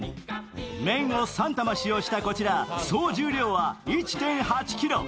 面を３玉使用したこちら、総重量は１．８ｋｇ。